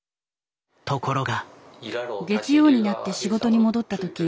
ところが。